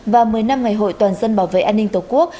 và một mươi năm ngày hội toàn dân bảo vệ an ninh tổ quốc